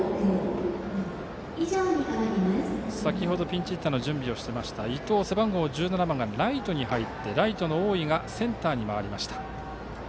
先程、ピンチヒッターの準備をしていた伊藤、背番号１７番がライトに入ってライトだった大井がセンターに回りました。